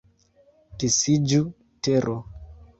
Disiĝu, tero!